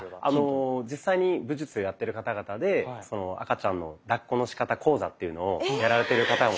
実際に武術をやってる方々で赤ちゃんのだっこのしかた講座というのをやられている方も。